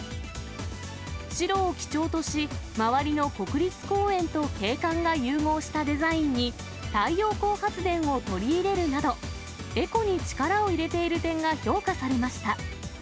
白を基調とし、周りの国立公園と景観が融合したデザインに、太陽光発電を取り入れるなど、エコに力を入れている点が評価されました。